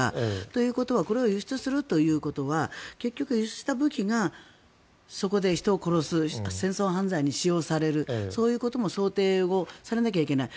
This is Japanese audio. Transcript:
ということはこれを輸出するということは結局、輸出した武器がそこで人を殺す戦争犯罪に使用されるそういうことも想定されなきゃいけない。